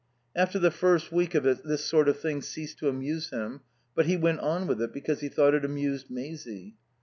After the first week of it this sort of thing ceased to amuse him, but he went on with it because he thought it amused Maisie.